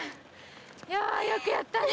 いやよくやったね。